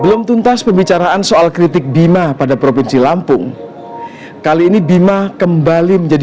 belum tuntas pembicaraan soal kritik bima pada provinsi lampung kali ini bima kembali menjadi